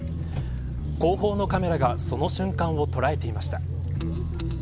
後方のカメラがその瞬間を捉えていました。